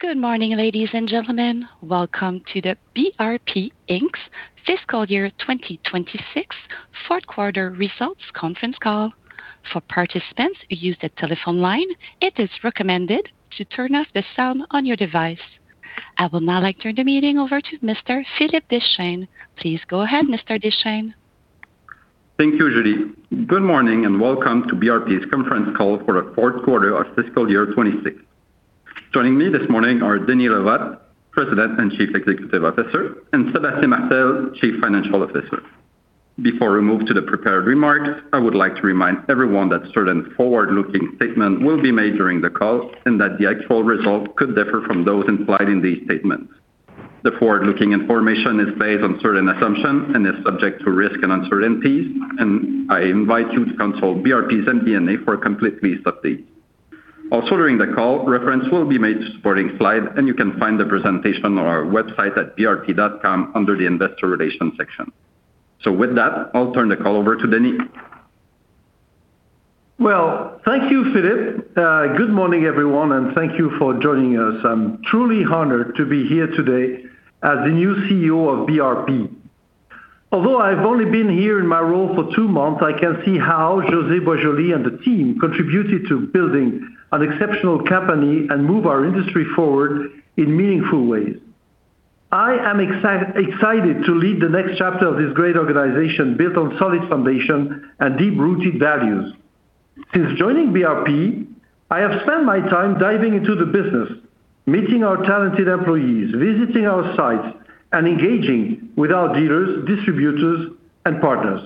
Good morning, ladies and gentlemen. Welcome to the BRP Inc's Fiscal Year 2026 Fourth Quarter Results Conference Call. For participants who use the telephone line, it is recommended to turn off the sound on your device. I will now like to turn the meeting over to Mr. Philippe Deschênes. Please go ahead, Mr. Deschênes. Thank you, Julie. Good morning and welcome to BRP's conference call for the fourth quarter of fiscal year 2026. Joining me this morning are Denis Le Vot, President and Chief Executive Officer, and Sébastien Martel, Chief Financial Officer. Before we move to the prepared remarks, I would like to remind everyone that certain forward-looking statements will be made during the call and that the actual results could differ from those implied in these statements. The forward-looking information is based on certain assumptions and is subject to risks and uncertainties, and I invite you to consult BRP's MD&A for a complete list update. Also, during the call, reference will be made to supporting slides, and you can find the presentation on our website at brp.com under the investor relations section. With that, I'll turn the call over to Denis. Well, thank you, Philippe. Good morning, everyone, and thank you for joining us. I'm truly honored to be here today as the new CEO of BRP. Although I've only been here in my role for two months, I can see how José Boisjoli and the team contributed to building an exceptional company and move our industry forward in meaningful ways. I am excited to lead the next chapter of this great organization built on solid foundation and deep-rooted values. Since joining BRP, I have spent my time diving into the business, meeting our talented employees, visiting our sites, and engaging with our dealers, distributors, and partners.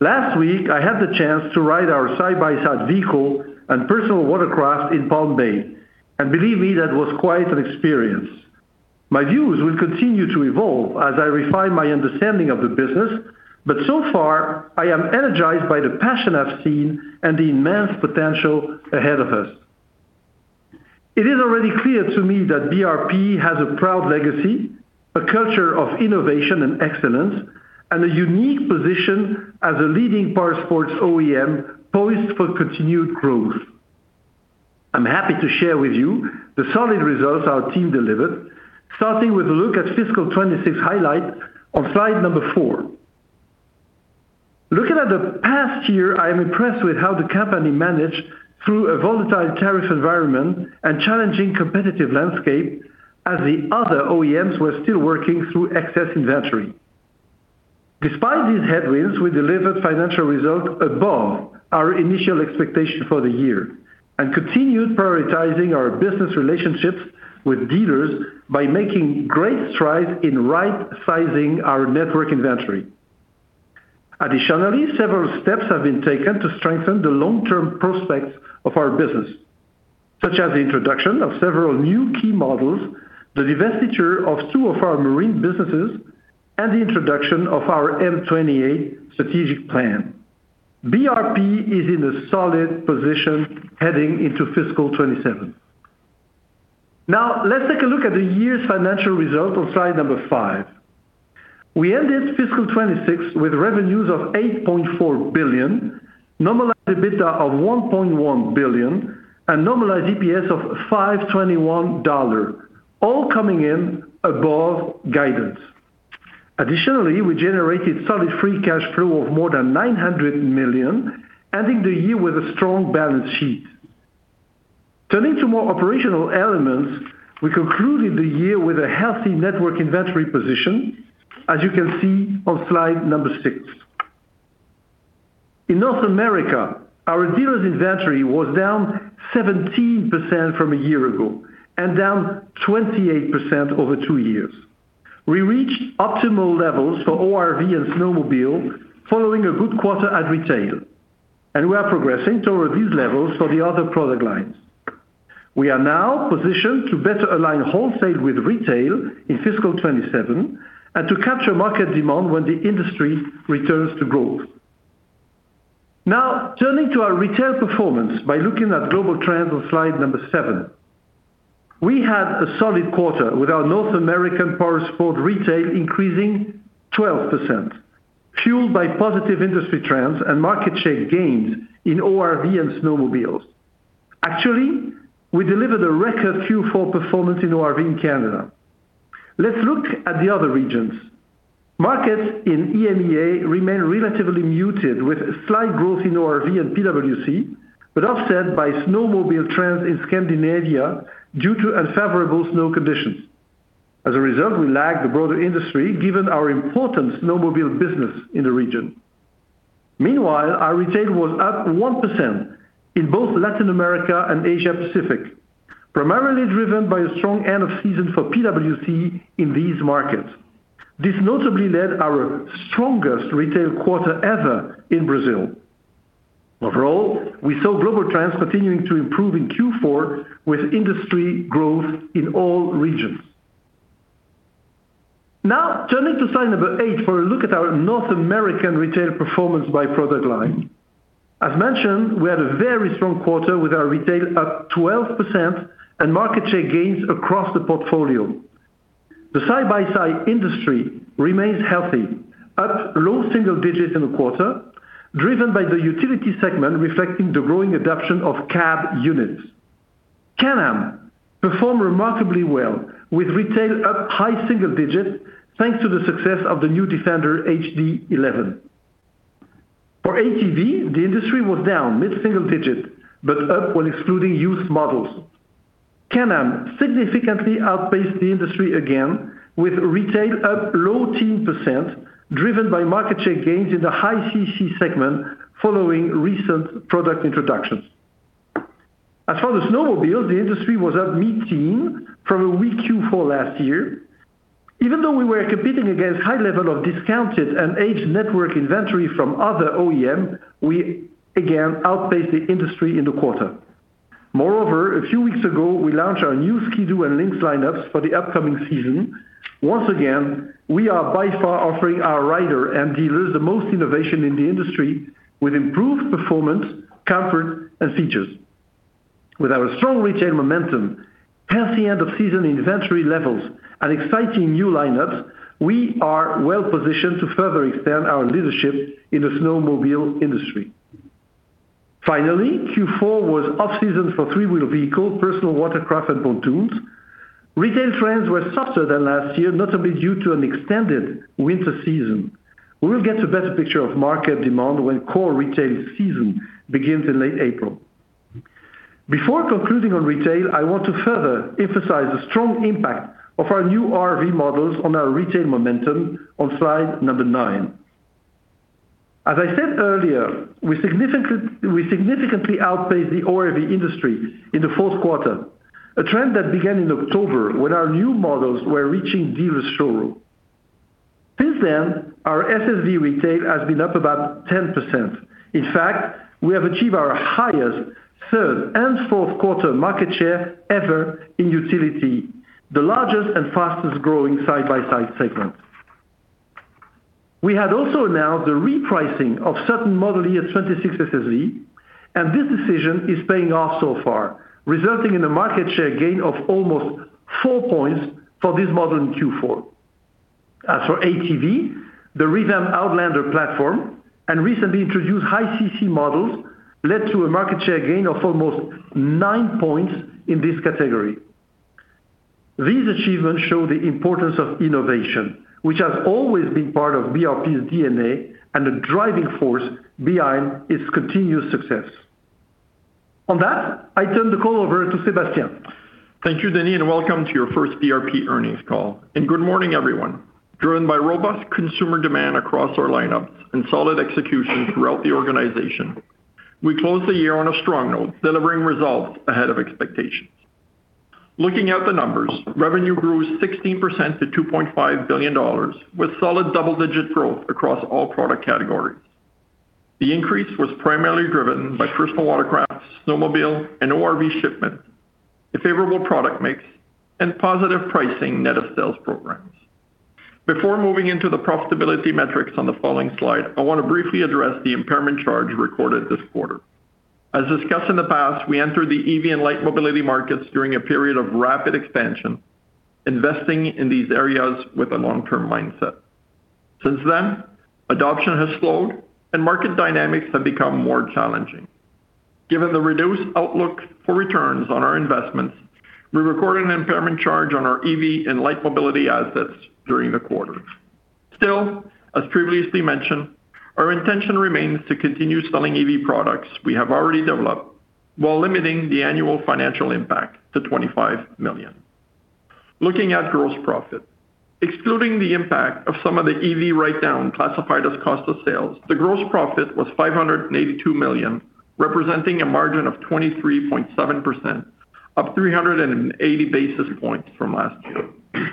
Last week, I had the chance to ride our side-by-side vehicle and personal watercraft in Palm Bay, and believe me, that was quite an experience. My views will continue to evolve as I refine my understanding of the business, but so far, I am energized by the passion I've seen and the immense potential ahead of us. It is already clear to me that BRP has a proud legacy, a culture of innovation and excellence, and a unique position as a leading powersports OEM poised for continued growth. I'm happy to share with you the solid results our team delivered, starting with a look at fiscal 2026 highlights on slide 4. Looking at the past year, I am impressed with how the company managed through a volatile tariff environment and challenging competitive landscape as the other OEMs were still working through excess inventory. Despite these headwinds, we delivered financial results above our initial expectation for the year and continued prioritizing our business relationships with dealers by making great strides in right-sizing our network inventory. Several steps have been taken to strengthen the long-term prospects of our business, such as the introduction of several new key models, the divestiture of two of our marine businesses, and the introduction of our M28 strategic plan. BRP is in a solid position heading into fiscal 2027. Now, let's take a look at the year's financial results on slide 5. We ended fiscal 2026 with revenues of 8.4 billion, Normalized EBITDA of 1.1 billion, and normalized EPS of 5.21 dollar, all coming in above guidance. We generated solid free cash flow of more than 900 million, ending the year with a strong balance sheet. Turning to more operational elements, we concluded the year with a healthy network inventory position, as you can see on slide 6. In North America, our dealers' inventory was down 17% from a year ago and down 28% over two years. We reached optimal levels for ORV and Snowmobile following a good quarter at retail, and we are progressing toward these levels for the other product lines. We are now positioned to better align wholesale with retail in fiscal 2027 and to capture market demand when the industry returns to growth. Now, turning to our retail performance by looking at global trends on slide 7. We had a solid quarter with our North American powersport retail increasing 12%, fueled by positive industry trends and market share gains in ORV and Snowmobiles. Actually, we delivered a record Q4 performance in ORV in Canada. Let's look at the other regions. Markets in EMEA remain relatively muted with slight growth in ORV and PWC, but offset by snowmobile trends in Scandinavia due to unfavorable snow conditions. As a result, we lag the broader industry given our important Snowmobile business in the region. Meanwhile, our retail was up 1% in both Latin America and Asia Pacific, primarily driven by a strong end of season for PWC in these markets. This notably led our strongest retail quarter ever in Brazil. Overall, we saw global trends continuing to improve in Q4 with industry growth in all regions. Now, turning to slide 8 for a look at our North American retail performance by product line. As mentioned, we had a very strong quarter with our retail up 12% and market share gains across the portfolio. The side-by-side industry remains healthy, up low-single digits in the quarter, driven by the utility segment reflecting the growing adoption of cab units. Can-Am performed remarkably well, with retail up high-single digits, thanks to the success of the new Defender HD11. For ATV, the industry was down mid-single digit, but up when excluding used models. Can-Am significantly outpaced the industry again, with retail up low-teens percent, driven by market share gains in the high CC segment following recent product introductions. As for the snowmobile, the industry was up mid-teens from a weak Q4 last year. Even though we were competing against high level of discounted and aged network inventory from other OEM, we again outpaced the industry in the quarter. Moreover, a few weeks ago, we launched our new Ski-Doo and Lynx lineups for the upcoming season. Once again, we are by far offering our rider and dealers the most innovation in the industry with improved performance, comfort, and features. With our strong retail momentum, past the end of season inventory levels and exciting new lineups, we are well-positioned to further extend our leadership in the snowmobile industry. Finally, Q4 was off-season for three-wheel vehicles, personal watercraft, and pontoons. Retail trends were softer than last year, not only due to an extended winter season. We will get a better picture of market demand when core retail season begins in late April. Before concluding on retail, I want to further emphasize the strong impact of our new ORV models on our retail momentum on slide 9. As I said earlier, we significantly outpaced the ORV industry in the fourth quarter, a trend that began in October when our new models were reaching dealer showroom. Since then, our SSV retail has been up about 10%. In fact, we have achieved our highest third and fourth quarter market share ever in utility, the largest and fastest-growing side-by-side segment. We had also announced the repricing of certain model year 2026 SSV, and this decision is paying off so far, resulting in a market share gain of almost 4 points for this model in Q4. As for ATV, the revamped Outlander platform and recently introduced high CC models led to a market share gain of almost 9 points in this category. These achievements show the importance of innovation, which has always been part of BRP's DNA and the driving force behind its continued success. On that, I turn the call over to Sébastien. Thank you, Denis, and welcome to your first BRP earnings call. Good morning, everyone. Driven by robust consumer demand across our lineups and solid execution throughout the organization, we closed the year on a strong note, delivering results ahead of expectations. Looking at the numbers, revenue grew 16% to 2.5 billion dollars, with solid double-digit growth across all product categories. The increase was primarily driven by personal watercraft, snowmobile, and ORV shipments, a favorable product mix, and positive pricing net of sales programs. Before moving into the profitability metrics on the following slide, I want to briefly address the impairment charge recorded this quarter. As discussed in the past, we entered the EV and light mobility markets during a period of rapid expansion, investing in these areas with a long-term mindset. Since then, adoption has slowed and market dynamics have become more challenging. Given the reduced outlook for returns on our investments, we recorded an impairment charge on our EV and light mobility assets during the quarter. Still, as previously mentioned, our intention remains to continue selling EV products we have already developed while limiting the annual financial impact to 25 million. Looking at gross profit. Excluding the impact of some of the EV write-down classified as cost of sales, the gross profit was 582 million, representing a margin of 23.7%, up 380 basis points from last year.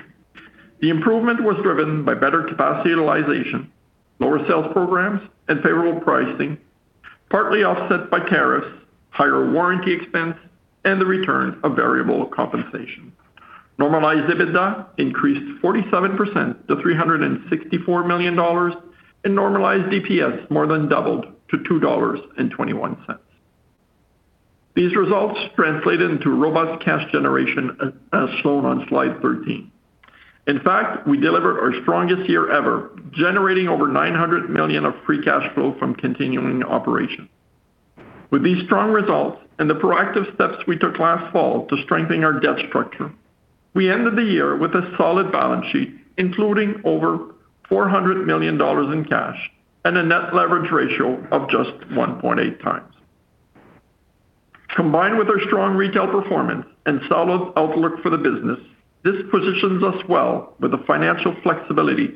The improvement was driven by better capacity utilization, lower sales programs, and favorable pricing, partly offset by tariffs, higher warranty expense, and the return of variable compensation. Normalized EBITDA increased 47% to 364 million dollars and normalized EPS more than doubled to 2.21 dollars. These results translated into robust cash generation as shown on slide 13. In fact, we delivered our strongest year ever, generating over 900 million of free cash flow from continuing operations. With these strong results and the proactive steps we took last fall to strengthen our debt structure, we ended the year with a solid balance sheet, including over 400 million dollars in cash and a net leverage ratio of just 1.8x. Combined with our strong retail performance and solid outlook for the business, this positions us well with the financial flexibility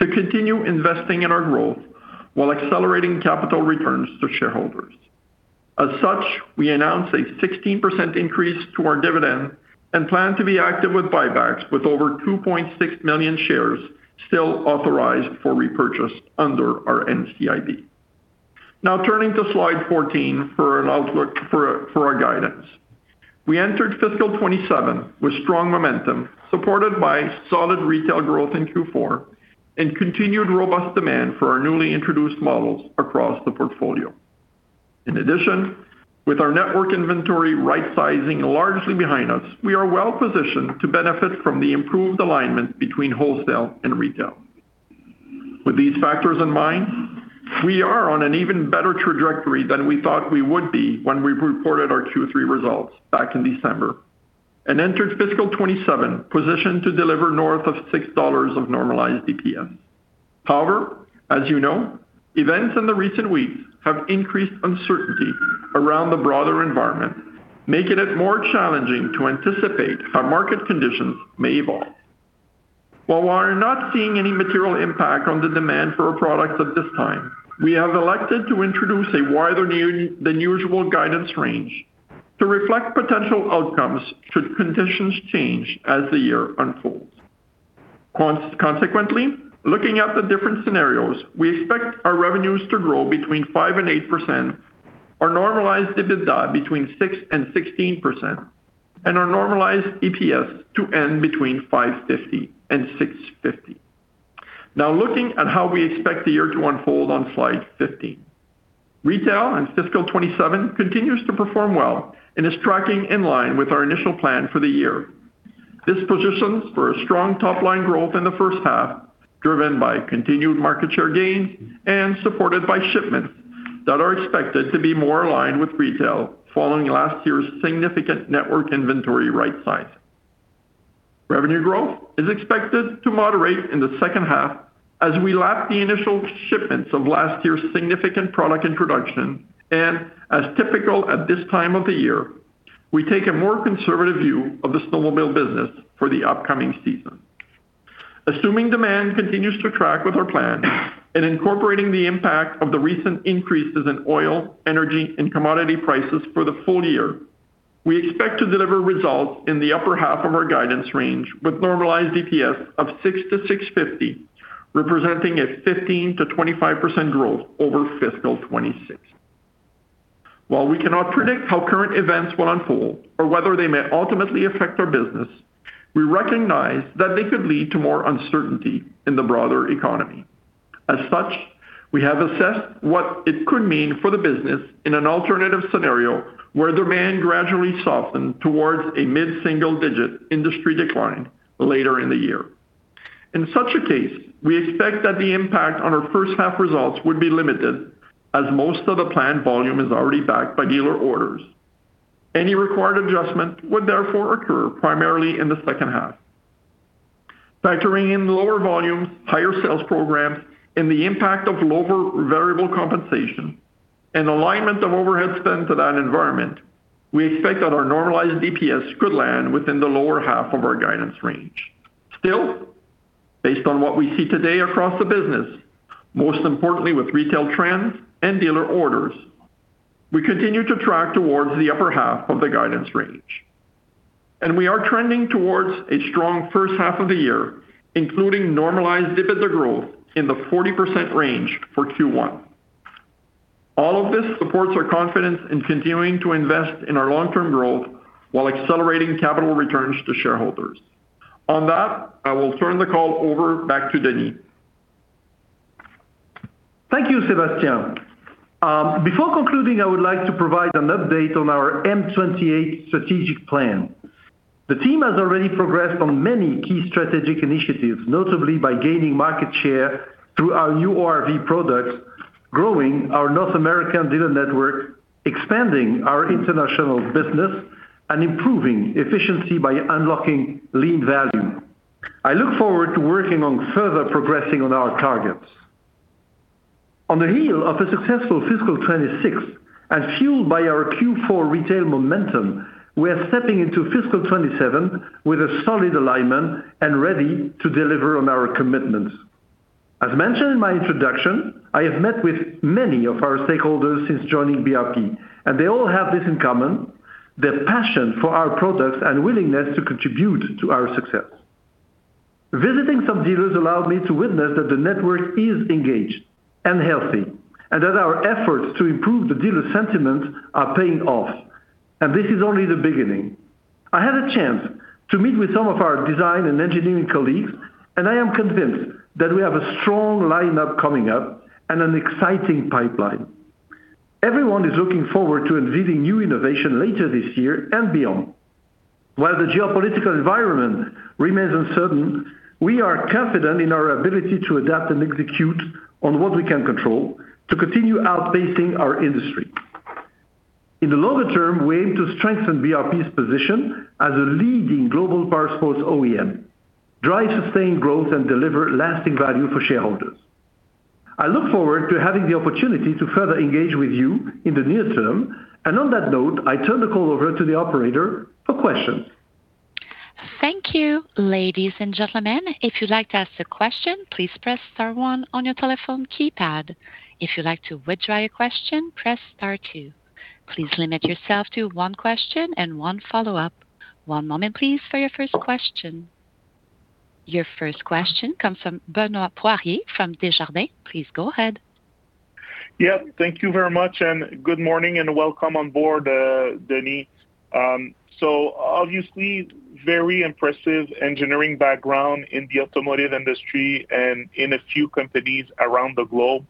to continue investing in our growth while accelerating capital returns to shareholders. As such, we announced a 16% increase to our dividend and plan to be active with buybacks with over 2.6 million shares still authorized for repurchase under our NCIB. Now turning to slide 14 for an outlook for our guidance. We entered fiscal 2027 with strong momentum, supported by solid retail growth in Q4 and continued robust demand for our newly introduced models across the portfolio. In addition, with our network inventory rightsizing largely behind us, we are well positioned to benefit from the improved alignment between wholesale and retail. With these factors in mind, we are on an even better trajectory than we thought we would be when we reported our Q3 results back in December and entered fiscal 2027 positioned to deliver north of 6 dollars of normalized EPS. However, as you know, events in the recent weeks have increased uncertainty around the broader environment, making it more challenging to anticipate how market conditions may evolve. While we are not seeing any material impact on the demand for our products at this time, we have elected to introduce a wider than usual guidance range to reflect potential outcomes should conditions change as the year unfolds. Consequently, looking at the different scenarios, we expect our revenues to grow between 5% and 8%, our Normalized EBITDA between 6% and 16%, and our normalized EPS to end between 5.50 and 6.50. Now looking at how we expect the year to unfold on slide 15. Retail in fiscal 2027 continues to perform well and is tracking in line with our initial plan for the year. This positions for a strong top-line growth in the first half, driven by continued market share gains and supported by shipments that are expected to be more aligned with retail following last year's significant network inventory right size. Revenue growth is expected to moderate in the second half as we lap the initial shipments of last year's significant product introduction. As typical at this time of the year, we take a more conservative view of the Snowmobile business for the upcoming season. Assuming demand continues to track with our plan and incorporating the impact of the recent increases in oil, energy, and commodity prices for the full year, we expect to deliver results in the upper half of our guidance range with normalized EPS of 6-6.50, representing a 15%-25% growth over fiscal 2026. While we cannot predict how current events will unfold or whether they may ultimately affect our business, we recognize that they could lead to more uncertainty in the broader economy. As such, we have assessed what it could mean for the business in an alternative scenario where demand gradually softened towards a mid-single-digit industry decline later in the year. In such a case, we expect that the impact on our first half results would be limited, as most of the planned volume is already backed by dealer orders. Any required adjustment would therefore occur primarily in the second half. Factoring in lower volumes, higher sales programs, and the impact of lower variable compensation and alignment of overhead spend to that environment, we expect that our normalized EPS could land within the lower half of our guidance range. Still, based on what we see today across the business, most importantly with retail trends and dealer orders, we continue to track towards the upper half of the guidance range, and we are trending towards a strong first half of the year, including Normalized EBITDA growth in the 40% range for Q1. All of this supports our confidence in continuing to invest in our long-term growth while accelerating capital returns to shareholders. On that, I will turn the call over back to Denis. Thank you, Sébastien. Before concluding, I would like to provide an update on our M28 strategic plan. The team has already progressed on many key strategic initiatives, notably by gaining market share through our new ORV products, growing our North American dealer network, expanding our international business, and improving efficiency by unlocking lean value. I look forward to working on further progressing on our targets. On the heels of a successful fiscal 2026 and fueled by our Q4 retail momentum, we are stepping into fiscal 2027 with a solid alignment and ready to deliver on our commitments. As mentioned in my introduction, I have met with many of our stakeholders since joining BRP, and they all have this in common, their passion for our products and willingness to contribute to our success. Visiting some dealers allowed me to witness that the network is engaged and healthy and that our efforts to improve the dealer sentiment are paying off, and this is only the beginning. I had a chance to meet with some of our design and engineering colleagues, and I am convinced that we have a strong lineup coming up and an exciting pipeline. Everyone is looking forward to unveiling new innovation later this year and beyond. While the geopolitical environment remains uncertain, we are confident in our ability to adapt and execute on what we can control to continue outpacing our industry. In the longer term, we aim to strengthen BRP's position as a leading global powersports OEM, drive sustained growth, and deliver lasting value for shareholders. I look forward to having the opportunity to further engage with you in the near term. On that note, I turn the call over to the operator for questions. Thank you. Ladies and gentlemen, if you'd like to ask a question, please press star one on your telephone keypad. If you'd like to withdraw your question, press star two. Please limit yourself to one question and one follow-up. One moment please for your first question. Your first question comes from Benoit Poirier from Desjardins. Please go ahead. Yeah, thank you very much, and good morning, and welcome on board, Denis. Obviously very impressive engineering background in the automotive industry and in a few companies around the globe.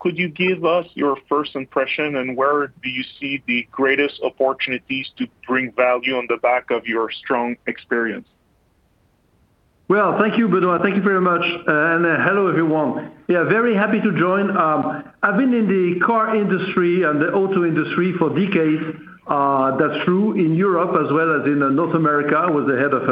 Could you give us your first impression, and where do you see the greatest opportunities to bring value on the back of your strong experience? Well, thank you, Benoit. Thank you very much. Hello, everyone. Yeah, very happy to join. I've been in the car industry and the auto industry for decades. That's true in Europe as well as in North America. I was the head of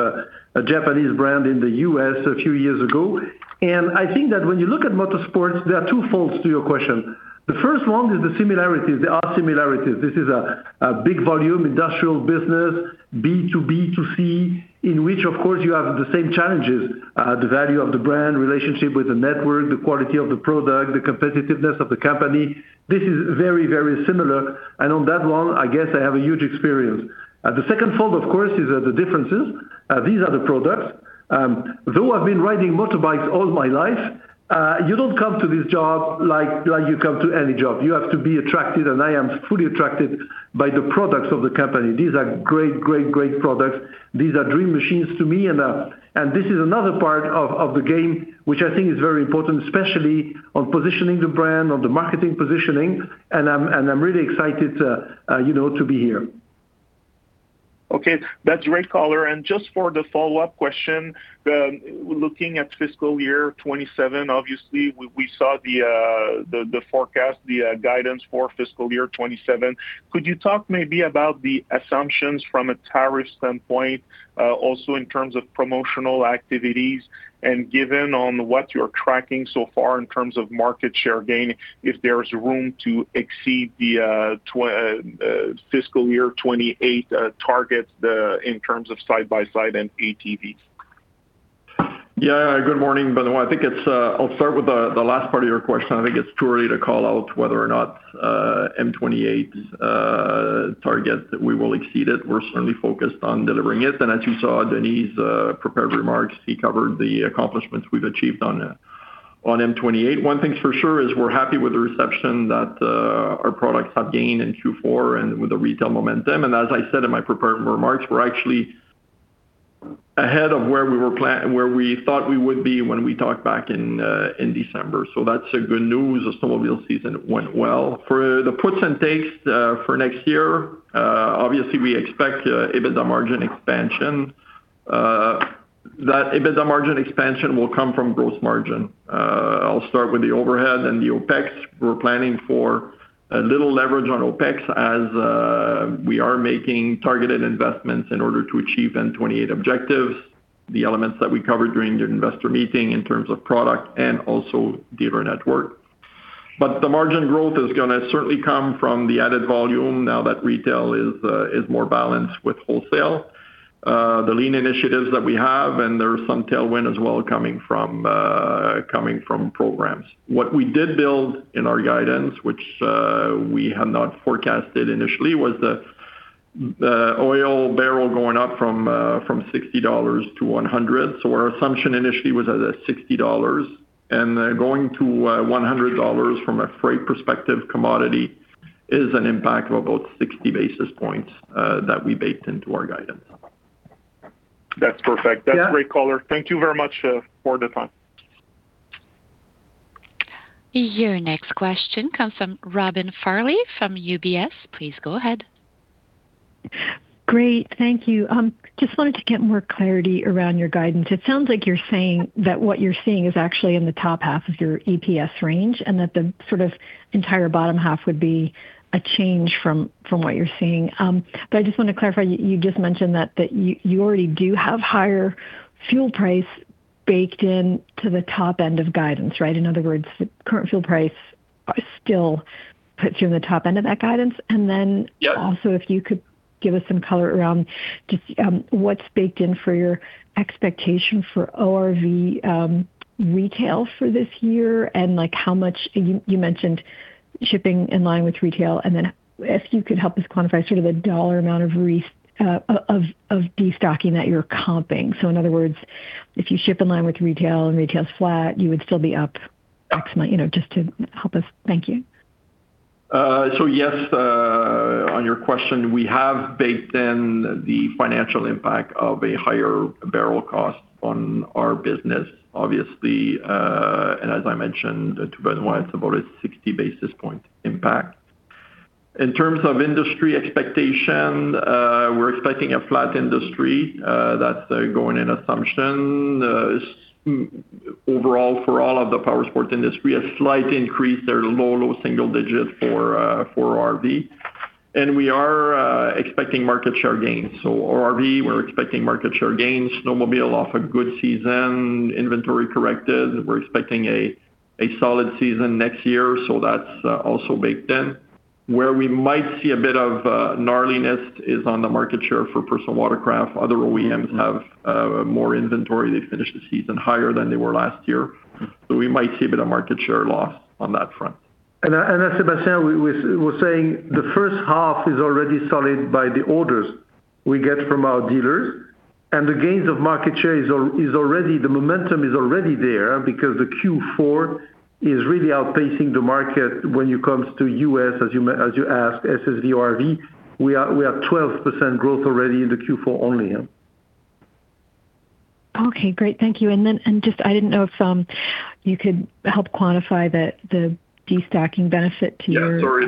a Japanese brand in the U.S. a few years ago. I think that when you look at motorsports, there are two folds to your question. The first one is the similarities. There are similarities. This is a big volume industrial business, B to B to C, in which of course you have the same challenges, the value of the brand, relationship with the network, the quality of the product, the competitiveness of the company. This is very, very similar. On that one, I guess I have a huge experience. The second fold, of course, is the differences. These are the products. Though I've been riding motorbikes all my life, you don't come to this job like you come to any job. You have to be attracted, and I am fully attracted by the products of the company. These are great, great products. These are dream machines to me. This is another part of the game which I think is very important, especially on positioning the brand, on the marketing positioning. I'm really excited to, you know, to be here. Okay. That's great color. Just for the follow-up question, looking at fiscal year 2027, obviously we saw the forecast, the guidance for fiscal year 2027. Could you talk maybe about the assumptions from a tariff standpoint, also in terms of promotional activities and given on what you're tracking so far in terms of market share gain, if there is room to exceed the fiscal year 2028 targets in terms of side by side and ATVs? Yeah. Good morning, Benoit. I'll start with the last part of your question. I think it's too early to call out whether or not M28's target that we will exceed it. We're certainly focused on delivering it. As you saw Denis' prepared remarks, he covered the accomplishments we've achieved on M28. One thing's for sure is we're happy with the reception that our products have gained in Q4 and with the retail momentum. As I said in my prepared remarks, we're actually ahead of where we thought we would be when we talked back in December. That's good news. The snowmobile season went well. For the puts and takes for next year, obviously we expect EBITDA margin expansion. That EBITDA margin expansion will come from gross margin. I'll start with the overhead and the OpEx. We're planning for a little leverage on OpEx as we are making targeted investments in order to achieve M28 objectives, the elements that we covered during the investor meeting in terms of product and also dealer network. The margin growth is gonna certainly come from the added volume now that retail is more balanced with wholesale. The lean initiatives that we have, and there's some tailwind as well coming from programs. What we did build in our guidance, which we had not forecasted initially, was the oil barrel going up from $60 to $100. Our assumption initially was at $60. Going to $100 from a freight perspective, commodity is an impact of about 60 basis points that we baked into our guidance. That's perfect. That's great color. Thank you very much for the time. Your next question comes from Robin Farley from UBS. Please go ahead. Great. Thank you. Just wanted to get more clarity around your guidance. It sounds like you're saying that what you're seeing is actually in the top half of your EPS range, and that the sort of entire bottom half would be a change from what you're seeing. But I just wanna clarify, you just mentioned that you already do have higher fuel price baked in to the top end of guidance, right? In other words, the current fuel price still puts you in the top end of that guidance. Also, if you could give us some color around just, what's baked in for your expectation for ORV retail for this year and, like, how much you mentioned shipping in line with retail, and then if you could help us quantify sort of the dollar amount of destocking that you're comping. In other words, if you ship in line with retail and retail's flat, you would still be up X amount, you know, just to help us. Thank you. Yes, on your question, we have baked in the financial impact of a higher barrel cost on our business, obviously. As I mentioned to Benoit, it's about a 60 basis point impact. In terms of industry expectation, we're expecting a flat industry. That's the going in assumption. Overall for all of the powersports industry, a slight increase or low-single digit for ORV. We are expecting market share gains. ORV, we're expecting market share gains. Snowmobile off a good season. Inventory corrected. We're expecting a solid season next year, so that's also baked in. Where we might see a bit of gnarliness is on the market share for personal watercraft. Other OEMs have more inventory. They finished the season higher than they were last year. We might see a bit of market share loss on that front. As Sébastien was saying, the first half is already solid by the orders we get from our dealers. And the gains in market share is already— the momentum is already there because the Q4 is really outpacing the market when it comes to U.S., as you asked, SSV, ORV. We are 12% growth already in the Q4 only. Okay, great. Thank you. Just I didn't know if you could help quantify the destacking benefit to your— Yeah, sorry.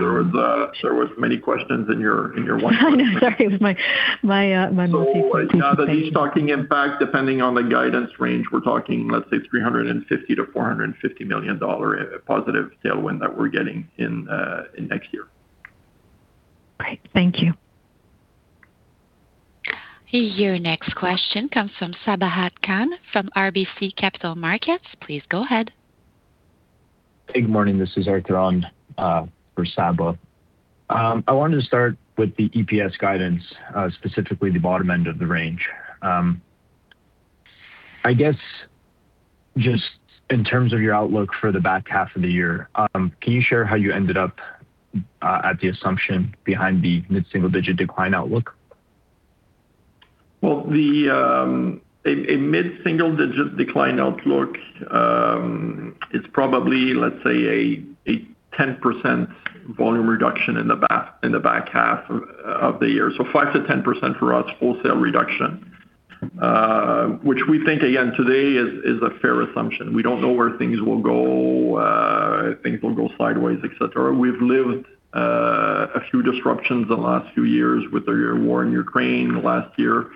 There was many questions in your one question. I know. Sorry. It was my multi-tasking. Now the de-stocking impact, depending on the guidance range, we're talking, let's say $350 million-$450 million positive tailwind that we're getting in next year. Great. Thank you. Your next question comes from Sabahat Khan from RBC Capital Markets. Please go ahead. Good morning. This is Arthur on for Sabahat. I wanted to start with the EPS guidance, specifically the bottom end of the range. I guess just in terms of your outlook for the back half of the year, can you share how you ended up at the assumption behind the mid-single-digit decline outlook? Well, a mid-single-digit decline outlook is probably, let's say a 10% volume reduction in the back half of the year. 5%-10% for us, wholesale reduction, which we think again today is a fair assumption. We don't know where things will go sideways, et cetera. We've lived a few disruptions the last few years with the war in Ukraine last year,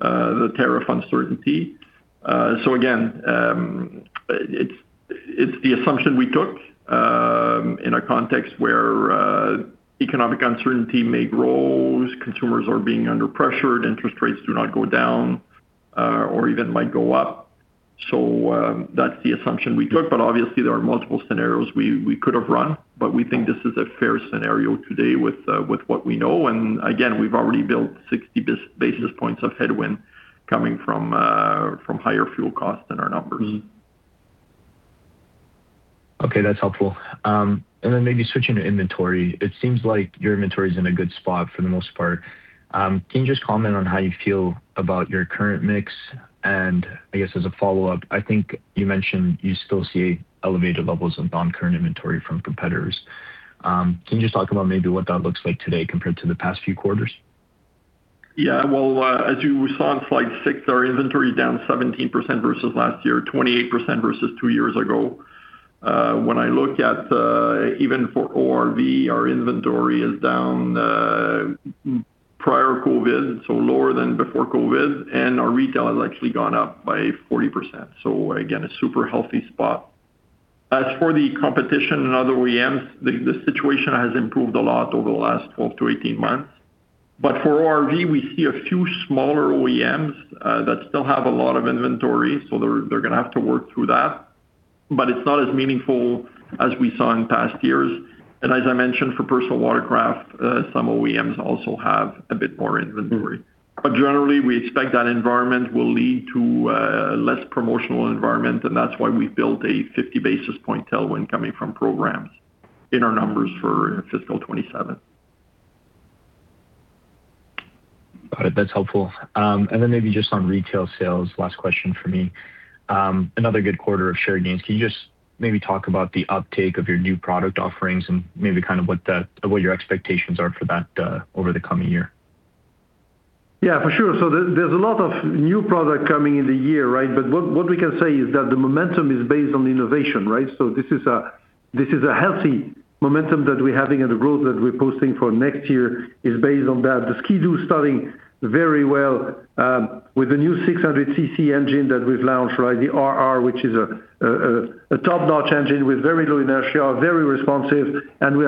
the tariff uncertainty. Again, it's the assumption we took in a context where economic uncertainty may grow, consumers are being under pressure, interest rates do not go down, or even might go up. That's the assumption we took, but obviously there are multiple scenarios we could have run, but we think this is a fair scenario today with what we know. We've already built 60 basis points of headwind coming from higher fuel costs in our numbers. Okay, that's helpful. Maybe switching to inventory. It seems like your inventory is in a good spot for the most part. Can you just comment on how you feel about your current mix? I guess as a follow-up, I think you mentioned you still see elevated levels of non-current inventory from competitors. Can you just talk about maybe what that looks like today compared to the past few quarters? Yeah. Well, as you saw on slide 6, our inventory down 17% versus last year, 28% versus two years ago. When I look at, even for ORV, our inventory is down, prior COVID, so lower than before COVID, and our retail has actually gone up by 40%. Again, a super healthy spot. As for the competition and other OEMs, the situation has improved a lot over the last 12-18 months. For ORV, we see a few smaller OEMs that still have a lot of inventory, so they're gonna have to work through that. It's not as meaningful as we saw in past years. As I mentioned, for personal watercraft, some OEMs also have a bit more inventory. Generally, we expect that environment will lead to a less promotional environment, and that's why we built a 50 basis point tailwind coming from programs in our numbers for fiscal 2027. Got it. That's helpful. And then maybe just on retail sales, last question for me. Another good quarter of share gains. Can you just maybe talk about the uptake of your new product offerings and maybe kind of what your expectations are for that over the coming year? Yeah, for sure. There's a lot of new product coming in the year, right? What we can say is that the momentum is based on innovation, right? This is a healthy momentum that we're having, and the growth that we're posting for next year is based on that. The Ski-Doo is starting very well with the new 600cc engine that we've launched, right? The 600RR, which is a top-notch engine with very low inertia, very responsive, and we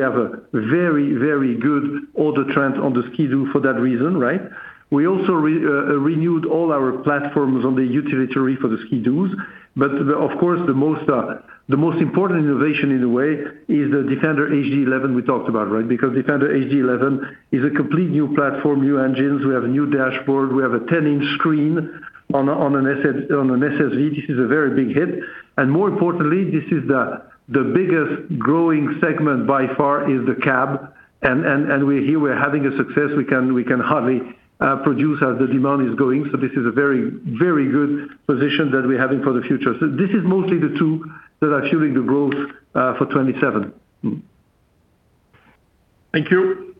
have a very good order trend on the Ski-Doo for that reason, right? We also renewed all our platforms on the utility for the Ski-Doos. Of course, the most important innovation in a way is the Defender HD11 we talked about, right? Because Defender HD11 is a complete new platform, new engines. We have a new dashboard. We have a 10 in screen on an SSV. This is a very big hit. More importantly, this is the biggest growing segment by far is the cab. We're having a success. We can hardly produce as the demand is going. This is a very good position that we're having for the future. This is mostly the two that are fueling the growth for 2027. Thank you.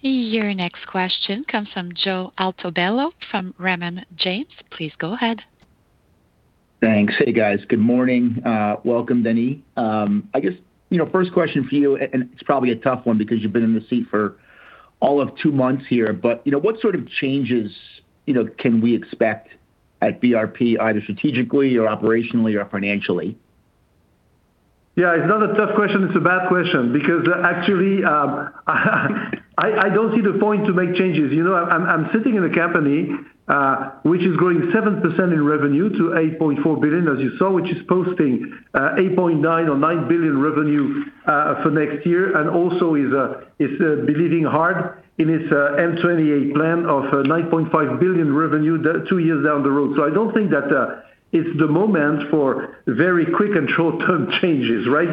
Your next question comes from Joe Altobello from Raymond James. Please go ahead. Thanks. Hey, guys. Good morning. Welcome, Denis. I guess, you know, first question for you, and it's probably a tough one because you've been in the seat for all of two months here, but, you know, what sort of changes, you know, can we expect at BRP either strategically or operationally or financially? Yeah, it's not a tough question, it's a bad question because actually, I don't see the point to make changes. You know, I'm sitting in a company which is growing 7% in revenue to 8.4 billion, as you saw, which is posting 8.9 billion or 9 billion revenue for next year and also is believing hard in its M28 plan of 9.5 billion revenue two years down the road. I don't think that it's the moment for very quick and short-term changes, right?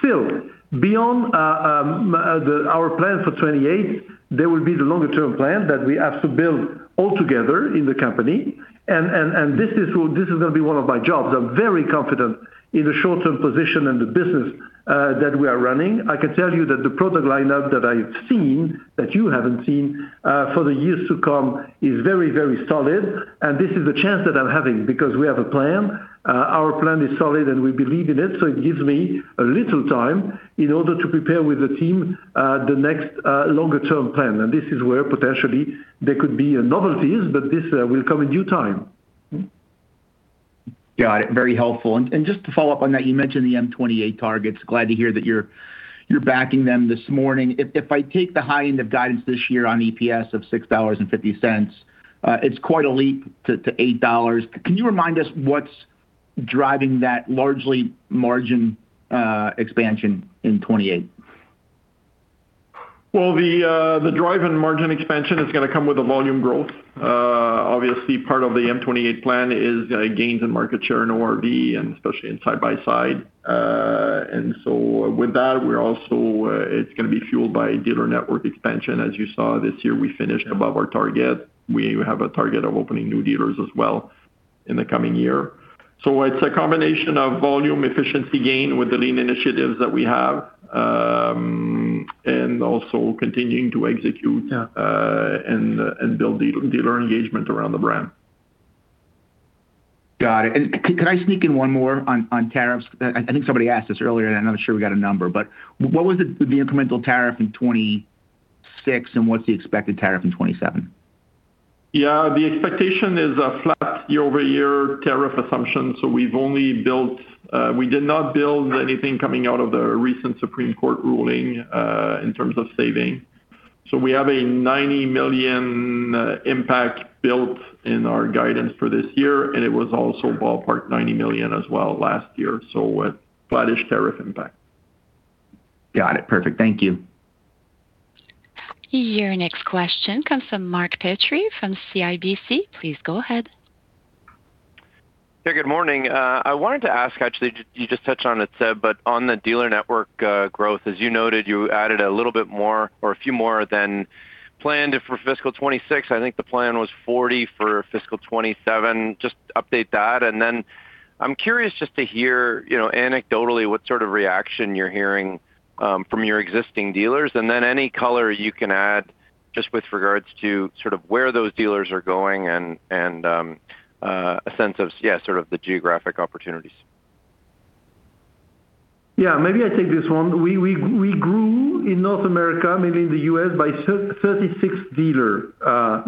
Still, beyond our plan for 2028, there will be the longer term plan that we have to build all together in the company and this is gonna be one of my jobs. I'm very confident in the short-term position and the business that we are running. I can tell you that the product lineup that I've seen, that you haven't seen, for the years to come is very, very solid. This is the chance that I'm having because we have a plan. Our plan is solid, and we believe in it, so it gives me a little time in order to prepare with the team, the next, longer term plan. This is where potentially there could be a novelties, but this will come in due time. Got it. Very helpful. Just to follow up on that, you mentioned the M28 targets. Glad to hear that you're backing them this morning. If I take the high end of guidance this year on EPS of 6.50 dollars, it's quite a leap to 8 dollars. Can you remind us what's driving that largely margin expansion in 2028? Well, the drive in margin expansion is gonna come with the volume growth. Obviously, part of the M28 plan is gains in market share and ORV, and especially in side-by-side. With that, it's gonna be fueled by dealer network expansion. As you saw this year, we finished above our target. We have a target of opening new dealers as well in the coming year. It's a combination of volume efficiency gain with the lean initiatives that we have. And also continuing to execute and build dealer engagement around the brand. Got it. Can I sneak in one more on tariffs? I think somebody asked this earlier, and I'm not sure we got a number, but what was the incremental tariff in 2026 and what's the expected tariff in 2027? Yeah. The expectation is a flat year-over-year tariff assumption, so we did not build anything coming out of the recent Supreme Court ruling in terms of saving. We have a 90 million impact built in our guidance for this year, and it was also ballparked 90 million as well last year. A flattish tariff impact. Got it. Perfect. Thank you. Your next question comes from Mark Petrie from CIBC. Please go ahead. Good morning. I wanted to ask, actually, you just touched on it, Seb, but on the dealer network growth, as you noted, you added a little bit more or a few more than planned for fiscal 2026. I think the plan was 40 for fiscal 2027. Just update that. Then I'm curious just to hear, you know, anecdotally what sort of reaction you're hearing from your existing dealers and then any color you can add just with regards to sort of where those dealers are going and a sense of sort of the geographic opportunities. Yeah. Maybe I take this one. We grew in North America, mainly in the U.S. by 36 dealers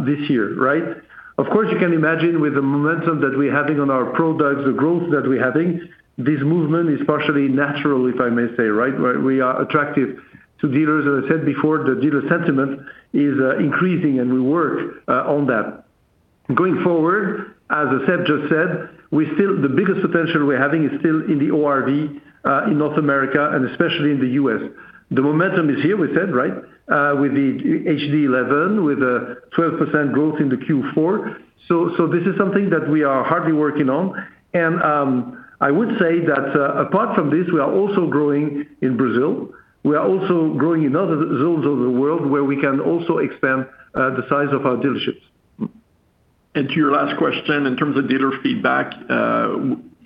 this year, right? Of course, you can imagine with the momentum that we're having on our products, the growth that we're having, this movement is partially natural, if I may say, right? We are attractive to dealers. As I said before, the dealer sentiment is increasing, and we work on that. Going forward, as Seb just said, the biggest potential we're having is still in the ORV in North America and especially in the U.S. The momentum is here with Seb, right? With the HD11, with a 12% growth in the Q4. This is something that we are hardly working on. I would say that apart from this, we are also growing in Brazil. We are also growing in other zones of the world where we can also expand the size of our dealerships. To your last question, in terms of dealer feedback,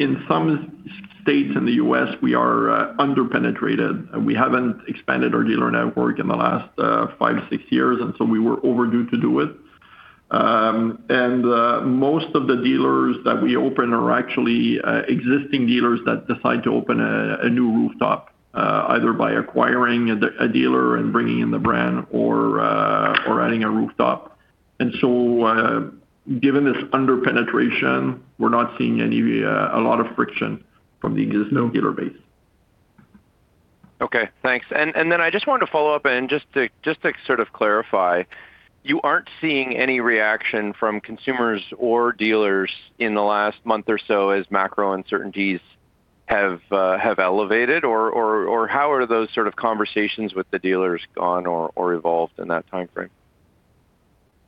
in some states in the U.S., we are under-penetrated. We haven't expanded our dealer network in the last five, six years, and so we were overdue to do it. Most of the dealers that we open are actually existing dealers that decide to open a new rooftop, either by acquiring a dealer and bringing in the brand or adding a rooftop. Given this under-penetration, we're not seeing any a lot of friction from the existing dealer base. Okay. Thanks. I just wanted to follow up and just to sort of clarify, you aren't seeing any reaction from consumers or dealers in the last month or so as macro uncertainties have elevated or how are those sort of conversations with the dealers gone or evolved in that timeframe?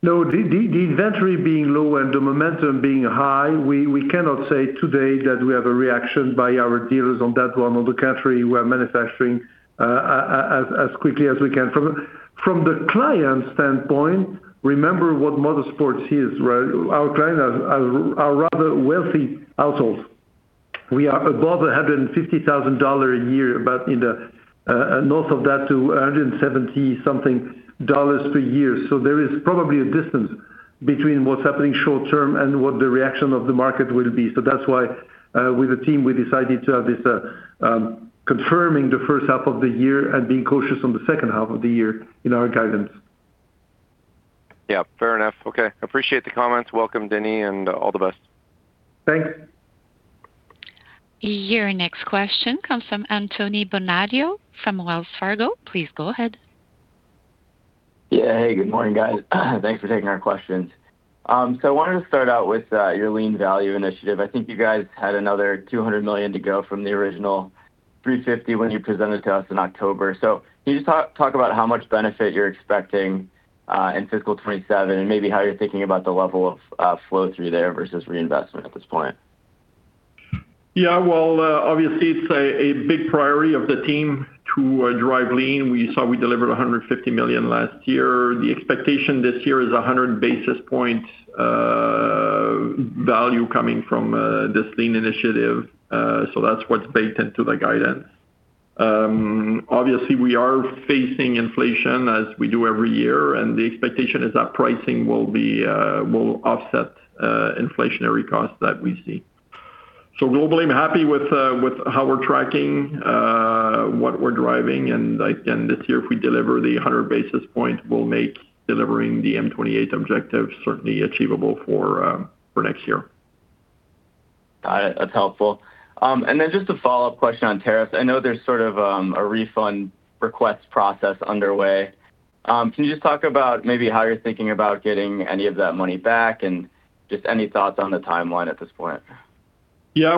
No, the inventory being low and the momentum being high, we cannot say today that we have a reaction by our dealers on that one. On the contrary, we are manufacturing as quickly as we can. From the client standpoint, remember what motorsports is, right? Our client are rather wealthy households. We are above 150,000 dollars a year, but in the north of that to 170,000-something dollars per year. That's why, with the team, we decided to have this confirming the first half of the year and being cautious on the second half of the year in our guidance. Yeah, fair enough. Okay. Appreciate the comments. Welcome, Denis, and all the best. Thanks. Your next question comes from Anthony Bonadio from Wells Fargo. Please go ahead. Hey, good morning, guys. Thanks for taking our questions. I wanted to start out with your lean value initiative. I think you guys had another 200 million to go from the original 350 million when you presented to us in October. Can you just talk about how much benefit you're expecting in fiscal 2027 and maybe how you're thinking about the level of flow through there versus reinvestment at this point? Yeah. Well, obviously, it's a big priority of the team to drive lean. We saw we delivered 150 million last year. The expectation this year is 100 basis points value coming from this lean initiative, so that's what's baked into the guidance. Obviously, we are facing inflation as we do every year, and the expectation is that pricing will offset inflationary costs that we see. Globally, I'm happy with how we're tracking, what we're driving and this year, if we deliver the 100 basis points, we'll make delivering the M28 objective certainly achievable for next year. Got it. That's helpful. Just a follow-up question on tariffs. I know there's sort of a refund request process underway. Can you just talk about maybe how you're thinking about getting any of that money back and just any thoughts on the timeline at this point? Yeah.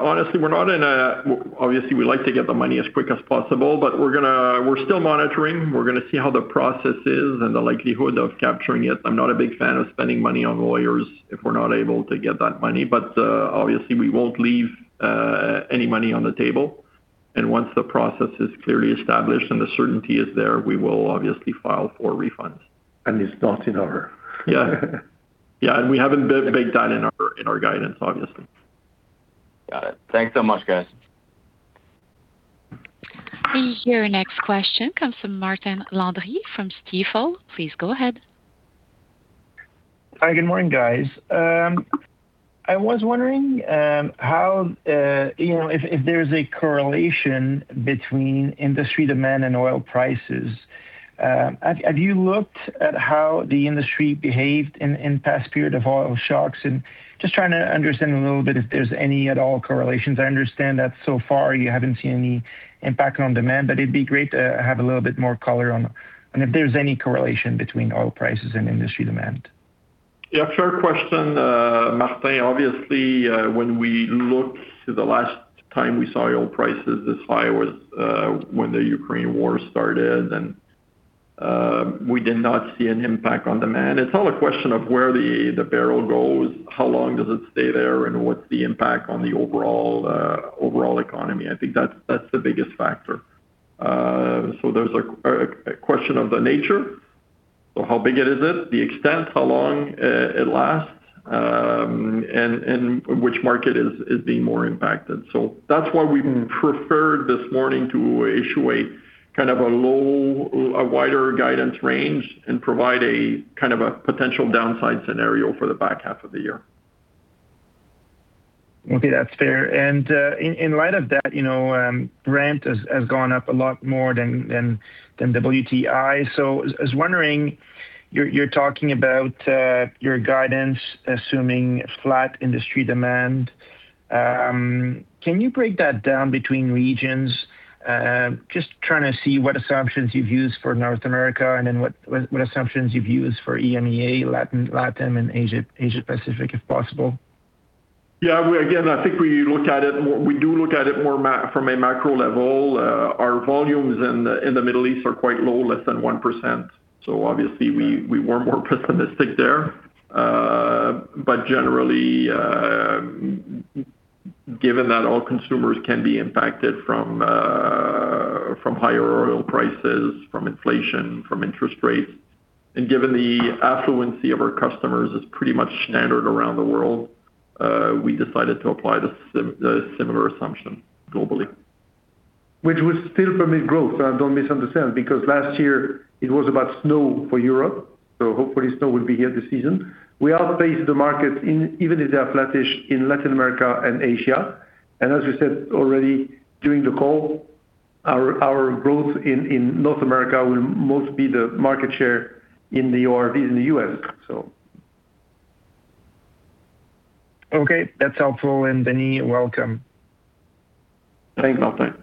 Honestly, we're not in a hurry. Obviously, we like to get the money as quick as possible, but we're still monitoring. We're gonna see how the process is and the likelihood of capturing it. I'm not a big fan of spending money on lawyers if we're not able to get that money. Obviously, we won't leave any money on the table. Once the process is clearly established and the certainty is there, we will obviously file for refunds. It's not in our guidance. Yeah. Yeah, and we haven't baked that in our guidance, obviously. Got it. Thanks so much, guys. Your next question comes from Martin Landry from Stifel. Please go ahead. Hi. Good morning, guys. I was wondering how you know if there's a correlation between industry demand and oil prices. Have you looked at how the industry behaved in past period of oil shocks? Just trying to understand a little bit if there's any at all correlations. I understand that so far you haven't seen any impact on demand, but it'd be great to have a little bit more color on if there's any correlation between oil prices and industry demand. Yeah, sure. Question, Martin. Obviously, when we look to the last time we saw oil prices this high was when the Ukraine war started and we did not see an impact on demand. It's all a question of where the barrel goes, how long does it stay there, and what's the impact on the overall economy. I think that's the biggest factor. There's a question of the nature. How big it is, the extent, how long it lasts, and which market is being more impacted. That's why we preferred this morning to issue kind of a lower, wider guidance range and provide kind of a potential downside scenario for the back half of the year. Okay, that's fair. In light of that, you know, rent has gone up a lot more than WTI. I was wondering, you're talking about your guidance assuming flat industry demand. Can you break that down between regions? Just trying to see what assumptions you've used for North America and then what assumptions you've used for EMEA, LatAm, and Asia-Pacific, if possible. Yeah. Again, I think we look at it from a macro level. Our volumes in the Middle East are quite low, less than 1%. Obviously we were more pessimistic there. But generally, given that all consumers can be impacted from higher oil prices, from inflation, from interest rates, and given the affluence of our customers is pretty much standard around the world, we decided to apply the similar assumption globally. Which will still permit growth, don't misunderstand, because last year it was about snow for Europe, so hopefully snow will be here this season. We outpaced the market in even if they are flattish in Latin America and Asia. As we said already during the call, our growth in North America will mostly be the market share in the ORVs in the U.S., so. Okay, that's helpful. Denis, welcome. Thanks, Martin.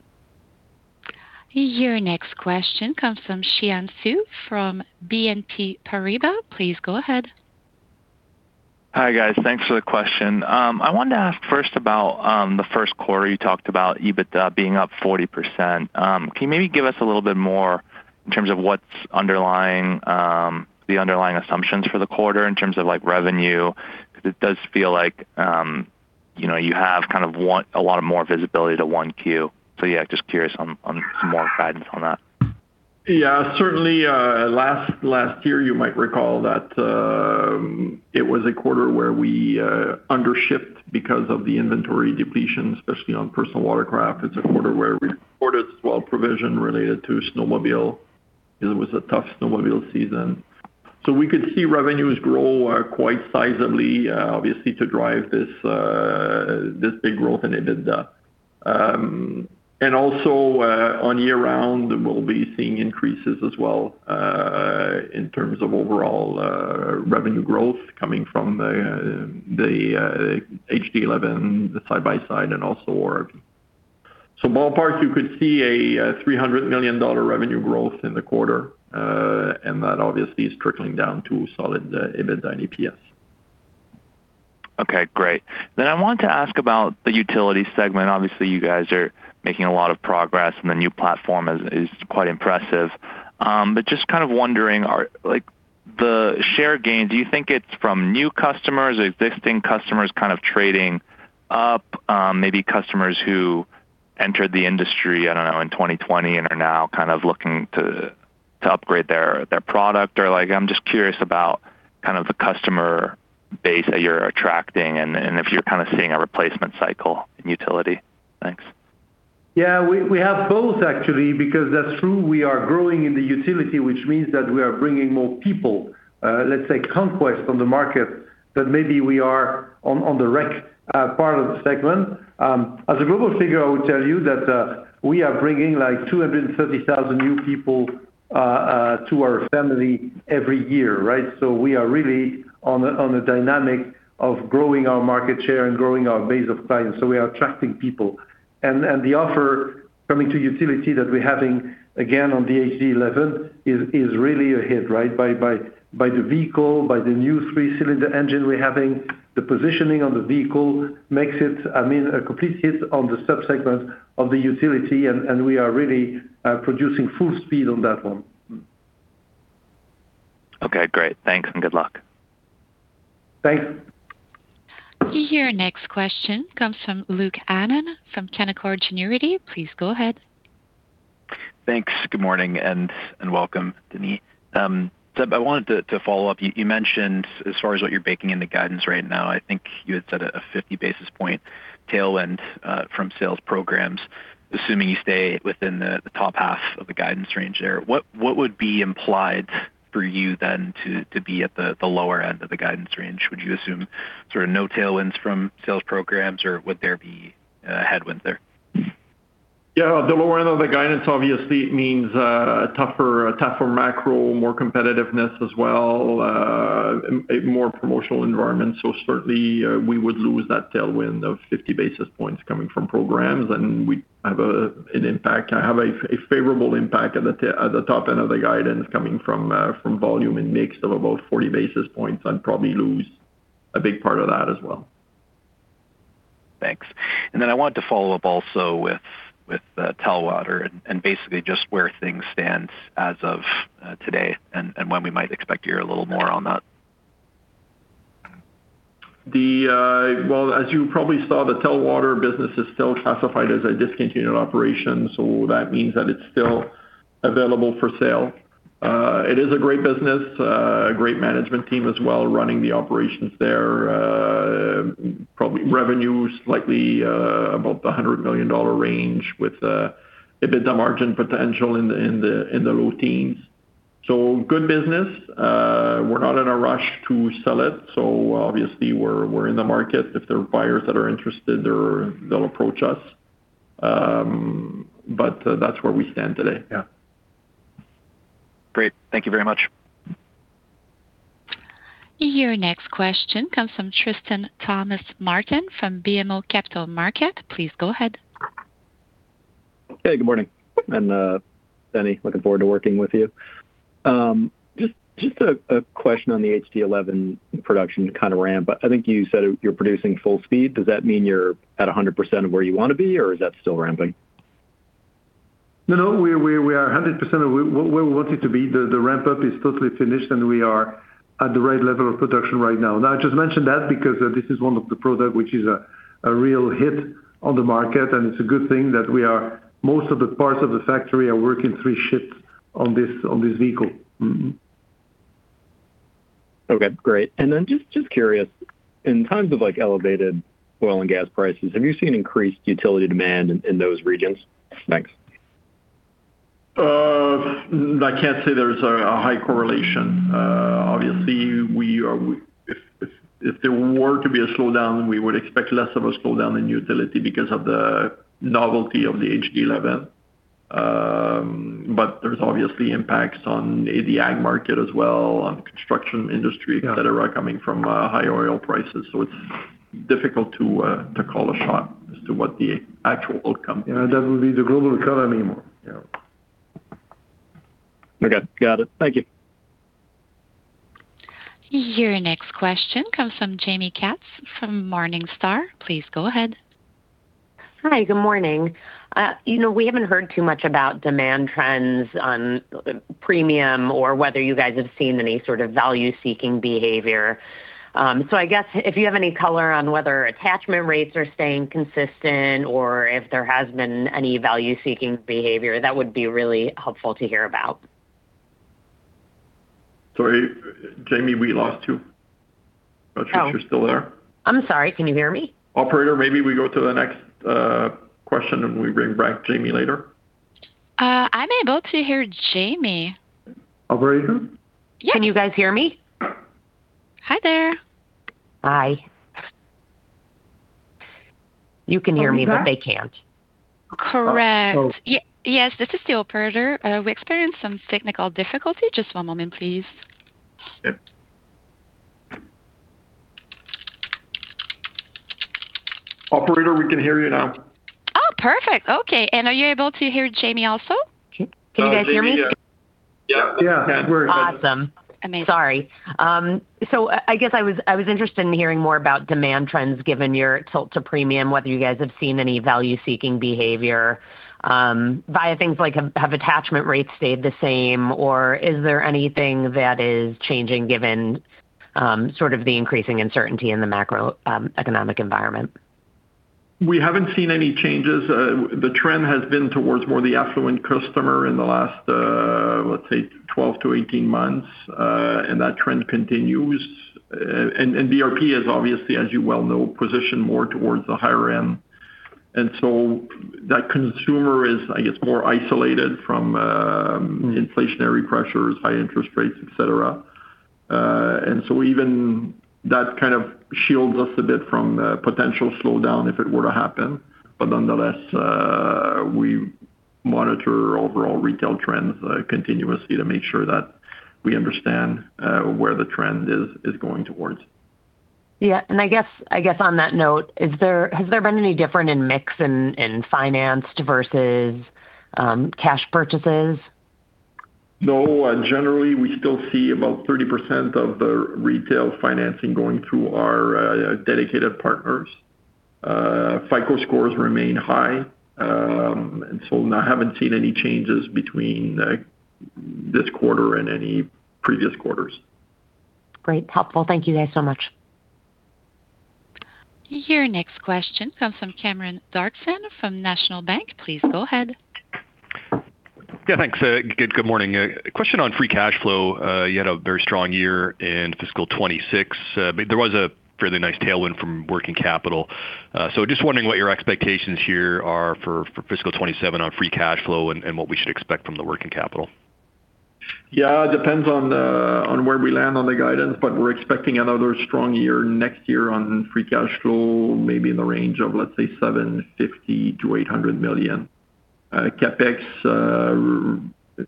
Your next question comes from Xian Siew from BNP Paribas. Please go ahead. Hi, guys. Thanks for the question. I wanted to ask first about the first quarter you talked about EBITDA being up 40%. Can you maybe give us a little bit more in terms of what's underlying the underlying assumptions for the quarter in terms of, like, revenue? Because it does feel like you know, you have kind of a lot more visibility to 1Q. Yeah, just curious on some more guidance on that. Yeah, certainly, last year, you might recall that it was a quarter where we undershipped because of the inventory depletion, especially on personal watercraft. It's a quarter where we reported swap provision related to snowmobile. It was a tough snowmobile season. We could see revenues grow quite sizably, obviously to drive this big growth in EBITDA. Also, on year-round, we'll be seeing increases as well, in terms of overall revenue growth coming from the HD11, the side-by-side, and also ORV. Ballpark, you could see a 300 million dollar revenue growth in the quarter, and that obviously is trickling down to solid EBITDA and EPS. Okay, great. I want to ask about the utility segment. Obviously, you guys are making a lot of progress, and the new platform is quite impressive. But just kind of wondering, are the share gain, do you think it's from new customers, existing customers kind of trading up, maybe customers who entered the industry, I don't know, in 2020 and are now kind of looking to upgrade their product? Or like, I'm just curious about kind of the customer base that you're attracting and if you're kind of seeing a replacement cycle in utility. Thanks. Yeah. We have both actually because that's true, we are growing in the utility, which means that we are bringing more people, let's say, conquest on the market that maybe we are on the rec part of the segment. As a global figure, I would tell you that we are bringing, like, 230,000 new people to our family every year, right? We are really on a dynamic of growing our market share and growing our base of clients, so we are attracting people. The offer coming to utility that we're having, again, on the HD11 is really a hit, right? By the vehicle, by the new three-cylinder engine we're having, the positioning on the vehicle makes it, I mean, a complete hit on the sub-segment of the utility, and we are really producing full speed on that one. Okay, great. Thanks and good luck. Thanks. Your next question comes from Luke Hannan from Canaccord Genuity. Please go ahead. Thanks. Good morning and welcome, Denis. So I wanted to follow up. You mentioned as far as what you're baking into guidance right now, I think you had said a 50 basis points tailwind from sales programs, assuming you stay within the top half of the guidance range there. What would be implied for you then to be at the lower end of the guidance range? Would you assume sort of no tailwinds from sales programs, or would there be a headwind there? Yeah. The lower end of the guidance obviously means a tougher macro, more competitiveness as well, a more promotional environment. Certainly, we would lose that tailwind of 50 basis points coming from programs, and we have a favorable impact at the top end of the guidance coming from volume and mix of about 40 basis points and probably lose a big part of that as well. Thanks. I wanted to follow up also with Telwater and basically just where things stand as of today and when we might expect to hear a little more on that. Well, as you probably saw, the Telwater business is still classified as a discontinued operation, so that means that it's still available for sale. It is a great business, a great management team as well running the operations there. Probably revenue's likely about 100 million dollar with a EBITDA margin potential in the low teens. So good business. We're not in a rush to sell it, so obviously we're in the market. If there are buyers that are interested, they'll approach us. But that's where we stand today. Yeah. Great. Thank you very much. Your next question comes from Tristan Thomas-Martin from BMO Capital Markets. Please go ahead. Hey, good morning. Denis, looking forward to working with you. Just a question on the HD11 production kind of ramp. I think you said you're producing full speed. Does that mean you're at 100% of where you want to be, or is that still ramping? No, no. We are 100% of where we wanted to be. The ramp-up is totally finished, and we are at the right level of production right now. Now, I just mentioned that because this is one of the product which is a real hit on the market, and it's a good thing that most of the parts of the factory are working three shifts on this vehicle. Okay, great. Just curious, in times of, like, elevated oil and gas prices, have you seen increased utility demand in those regions? Thanks. I can't say there's a high correlation. Obviously, if there were to be a slowdown, we would expect less of a slowdown in utility because of the novelty of the HD11. There's obviously impacts on the ag market as well, on the construction industry that are coming from high oil prices, so it's difficult to call a shot as to what the actual outcome. Yeah, that would be the global economy more. Okay. Got it. Thank you. Your next question comes from Jaime Katz from Morningstar. Please go ahead. Hi. Good morning. You know, we haven't heard too much about demand trends on premium or whether you guys have seen any sort of value-seeking behavior. I guess if you have any color on whether attachment rates are staying consistent or if there has been any value-seeking behavior, that would be really helpful to hear about. Sorry, Jaime, we lost you. Not sure if you're still there. I'm sorry. Can you hear me? Operator, maybe we go to the next question, and we bring back Jaime later. I'm able to hear Jaime. Operator? Yeah. Can you guys hear me? Hi there. Hi. You can hear me, but they can't. Correct. Yes, this is the operator. We experienced some technical difficulty. Just one moment, please. Operator, we can hear you now. Perfect. Okay. Are you able to hear Jaime also? Can you guys hear me? Yeah. Yeah. Awesome. Amazing. I guess I was interested in hearing more about demand trends, given your tilt to premium, whether you guys have seen any value-seeking behavior via things like, have attachment rates stayed the same, or is there anything that is changing given sort of the increasing uncertainty in the macroeconomic environment? We haven't seen any changes. The trend has been towards more the affluent customer in the last, let's say 12-18 months, and that trend continues. BRP is obviously, as you well know, positioned more towards the higher end. That consumer is, I guess, more isolated from inflationary pressures, high interest rates, et cetera. Even that kind of shields us a bit from a potential slowdown, if it were to happen. Nonetheless, we monitor overall retail trends continuously to make sure that we understand where the trend is going towards. Yeah. I guess on that note, has there been any difference in mix in financed versus cash purchases? No. Generally we still see about 30% of the retail financing going through our dedicated partners. FICO scores remain high. I haven't seen any changes between this quarter and any previous quarters. Great. Helpful. Thank you guys so much. Your next question comes from Cameron Doerksen from National Bank. Please go ahead. Yeah, thanks. Good morning. A question on free cash flow. You had a very strong year in fiscal 2026, but there was a fairly nice tailwind from working capital. So just wondering what your expectations here are for fiscal 2027 on free cash flow and what we should expect from the working capital. Yeah, it depends on where we land on the guidance, but we're expecting another strong year next year on free cash flow, maybe in the range of, let's say, 750 million-800 million. CapEx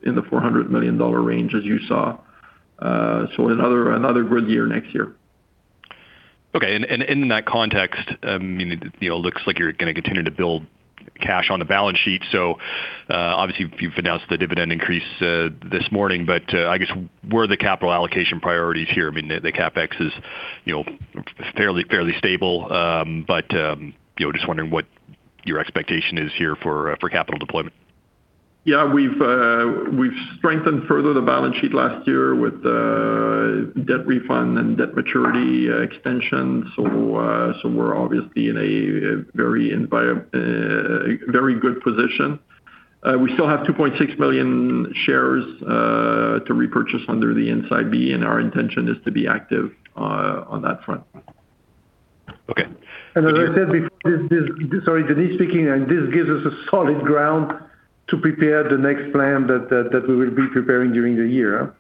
in the 400 million dollar range, as you saw. Another good year next year. In that context, you know, it looks like you're gonna continue to build cash on the balance sheet. Obviously you've announced the dividend increase this morning, but I guess, where are the capital allocation priorities here? I mean, the CapEx is, you know, fairly stable, but you know, just wondering what your expectation is here for capital deployment. Yeah. We've strengthened further the balance sheet last year with debt refunding and debt maturity extension. We're obviously in a very good position. We still have 2.6 million shares to repurchase under the NCIB, and our intention is to be active on that front. Okay. As I said before, sorry, Denis speaking. This gives us a solid ground to prepare the next plan that we will be preparing during the year.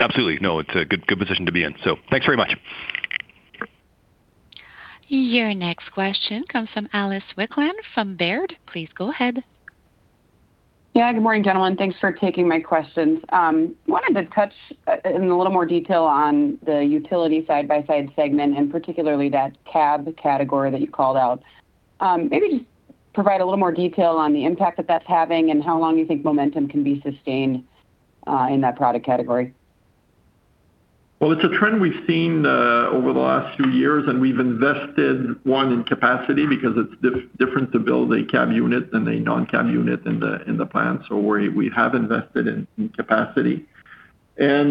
Absolutely. No, it's a good position to be in. Thanks very much. Your next question comes from Alice Wycklendt from Baird. Please go ahead. Yeah. Good morning, gentlemen. Thanks for taking my questions. I wanted to touch on in a little more detail on the utility side-by-side segment, and particularly that cab category that you called out. Maybe just provide a little more detail on the impact that that's having and how long you think momentum can be sustained in that product category. Well, it's a trend we've seen over the last few years, and we've invested in capacity because it's different to build a cab unit than a non-cab unit in the plant. We have invested in capacity. The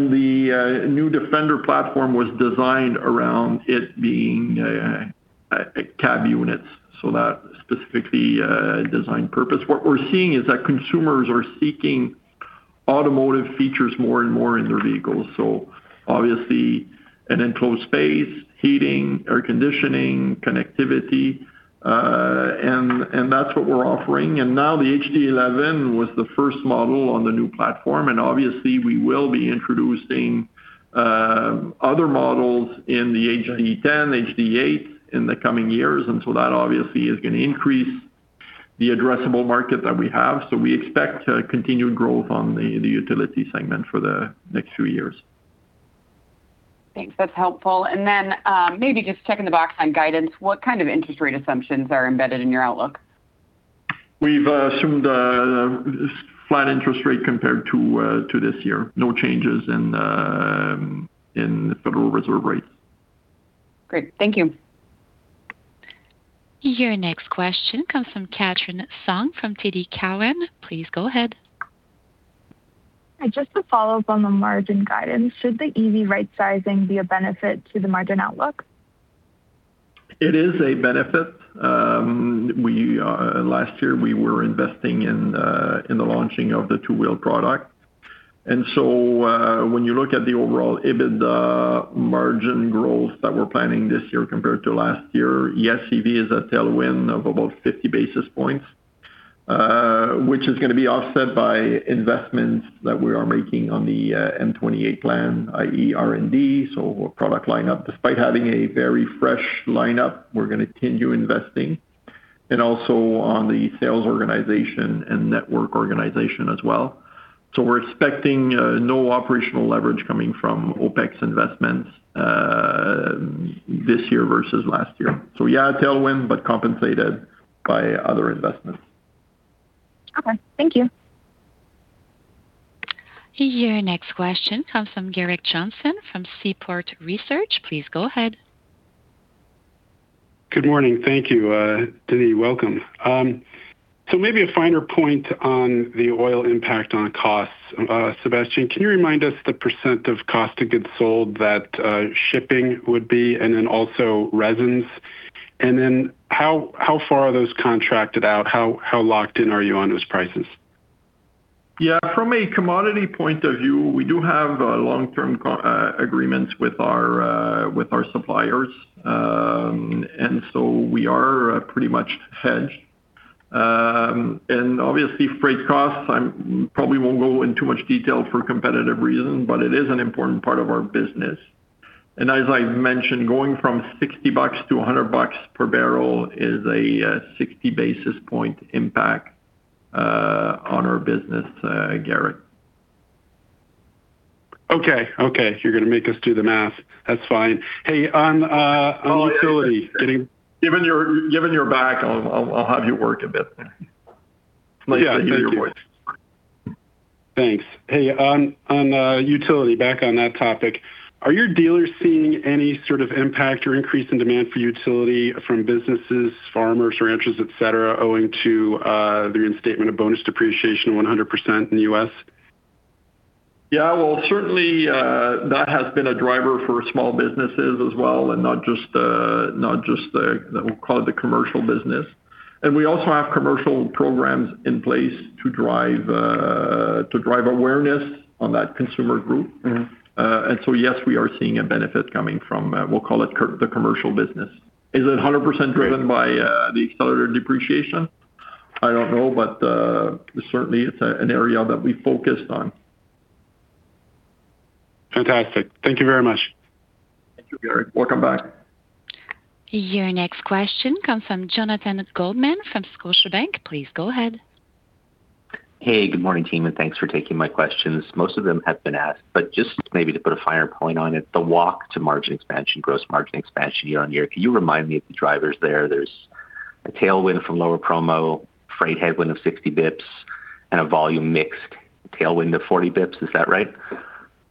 new Defender platform was designed around it being a cab unit, so that's the specific design purpose. What we're seeing is that consumers are seeking automotive features more and more in their vehicles. Obviously an enclosed space, heating, air conditioning, connectivity, and that's what we're offering. Now the HD11 was the first model on the new platform, and obviously we will be introducing other models in the HD10, HD8 in the coming years. That obviously is gonna increase the addressable market that we have. We expect continued growth on the utility segment for the next few years. Thanks. That's helpful. Maybe just checking the box on guidance. What kind of interest rate assumptions are embedded in your outlook? We've assumed a flat interest rate compared to this year. No changes in the Federal Reserve rates. Great. Thank you. Your next question comes from Catherine Sung from TD Cowen. Please go ahead. Just to follow up on the margin guidance, should the EV rightsizing be a benefit to the margin outlook? It is a benefit. Last year we were investing in the launching of the two-wheel product. When you look at the overall EBITDA margin growth that we're planning this year compared to last year, yes, EV is a tailwind of about 50 basis points, which is gonna be offset by investments that we are making on the M28 plan, i.e., R&D, so product lineup. Despite having a very fresh lineup, we're gonna continue investing, and also on the sales organization and network organization as well. We're expecting no operational leverage coming from OpEx investments this year versus last year. Yeah, a tailwind, but compensated by other investments. Okay. Thank you. Your next question comes from Gerrick Johnson from Seaport Research. Please go ahead. Good morning. Thank you, Denis. Welcome. Maybe a finer point on the oil impact on costs. Sébastien, can you remind us the percent of cost of goods sold that shipping would be and then also resins? How far are those contracted out? How locked in are you on those prices? Yeah. From a commodity point of view, we do have long-term agreements with our suppliers. We are pretty much hedged. Obviously freight costs, I probably won't go in too much detail for competitive reasons, but it is an important part of our business. As I mentioned, going from $60 to $100 per barrel is a 60 basis point impact on our business, Gerrick. Okay. Okay. You're gonna make us do the math. That's fine. Given you're back, I'll have you work a bit. It's nice to hear your voice. Thanks. Hey, on utility, back on that topic, are your dealers seeing any sort of impact or increase in demand for utility from businesses, farmers, ranchers, et cetera, owing to the reinstatement of bonus depreciation 100% in the U.S.? Yeah. Well, certainly, that has been a driver for small businesses as well and not just we'll call it the commercial business. We also have commercial programs in place to drive awareness on that consumer group. Yes, we are seeing a benefit coming from, we'll call it the commercial business. Is it 100% driven by the accelerated depreciation? I don't know, but certainly it's an area that we focused on. Fantastic. Thank you very much. Thank you, Gerrick. Welcome back. Your next question comes from Jonathan Goldman from Scotiabank. Please go ahead. Hey, good morning, team, and thanks for taking my questions. Most of them have been asked, but just maybe to put a finer point on it, the walk to margin expansion, gross margin expansion year-over-year, can you remind me of the drivers there? There's a tailwind from lower promo, freight headwind of 60 basis points, and a volume mix tailwind of 40 basis points. Is that right?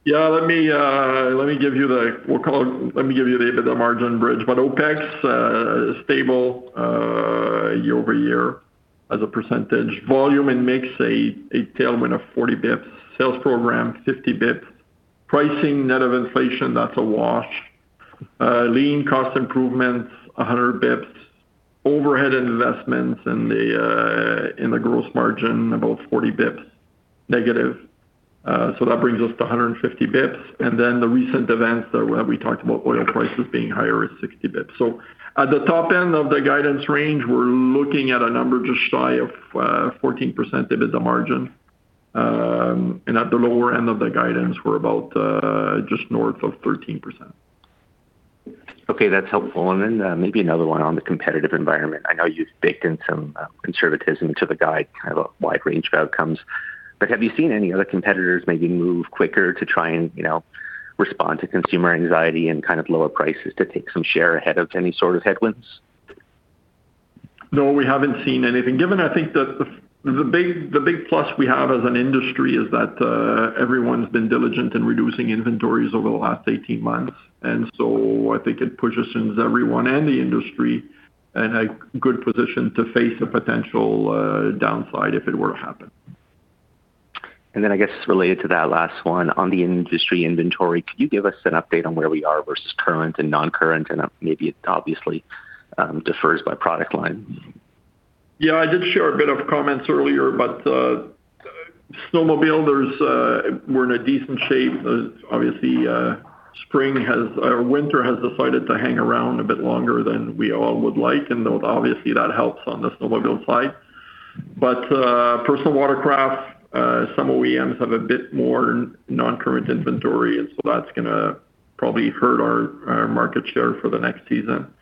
Yeah. Let me give you the EBITDA margin bridge. OpEx stable year-over-year as a percentage. Volume and mix, a tailwind of 40 basis points. Sales program, 50 basis points. Pricing net of inflation, that's a wash. Lean cost improvements, 100 basis points. Overhead investments in the gross margin, about 40 basis points negative. That brings us to 150 basis points. The recent events that we talked about oil prices being higher is 60 basis points. At the top end of the guidance range, we're looking at a number just shy of 14% EBITDA margin. At the lower end of the guidance, we're about just north of 13%. Okay. That's helpful. Maybe another one on the competitive environment. I know you've baked in some conservatism to the guide, kind of a wide range of outcomes. Have you seen any other competitors maybe move quicker to try and, you know, respond to consumer anxiety and kind of lower prices to take some share ahead of any sort of headwinds? No, we haven't seen anything. Given, I think, the big plus we have as an industry is that everyone's been diligent in reducing inventories over the last 18 months. I think it positions everyone and the industry in a good position to face a potential downside if it were to happen. I guess related to that last one, on the industry inventory, could you give us an update on where we are versus current and non-current? Maybe it obviously differs by product line. Yeah. I did share a bit of comments earlier, but snowmobile, we're in a decent shape. Obviously, winter has decided to hang around a bit longer than we all would like, and obviously that helps on the snowmobile side. Personal watercraft, some OEMs have a bit more non-current inventory, and so that's gonna probably hurt our market share for the next season.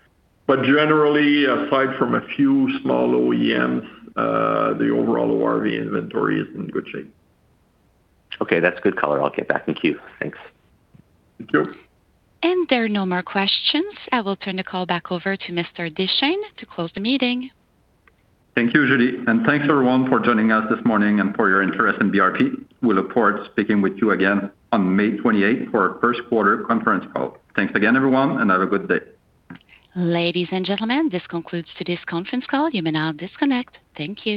Generally, aside from a few small OEMs, the overall ORV inventory is in good shape. Okay. That's good color. I'll get back. Thank you. Thanks. Thank you. There are no more questions. I will turn the call back over to Mr. Deschênes to close the meeting. Thank you, Julie. Thanks, everyone, for joining us this morning and for your interest in BRP. We look forward to speaking with you again on May 28 for our first quarter conference call. Thanks again, everyone, and have a good day. Ladies and gentlemen, this concludes today's conference call. You may now disconnect. Thank you.